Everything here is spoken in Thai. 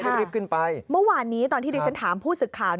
เมื่อวานนี้ตอนที่ดิฉันถามผู้สึกข่าว